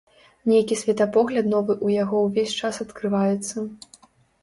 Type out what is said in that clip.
Нейкі светапогляд новы ў яго ўвесь час адкрываецца.